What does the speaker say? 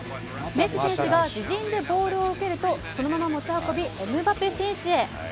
メッシ選手が自陣でボールを受けるとそのまま持ち運びエムバペ選手へ。